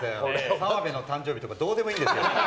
澤部の誕生日とかどうでもいいんですよ。